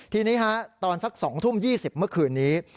ทีนี้ตอนสัก๒ทุ่ม๒๐เมื่อคืนนี้